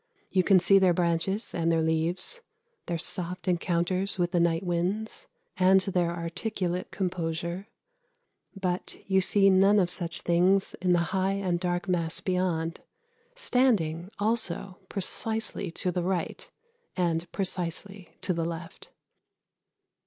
You can see their branches and their leaves, their soft encounters with the night winds, and their articulate composure; but you see none of such things in the high and dark mass beyond, standing also precisely to the right, and precisely to the left.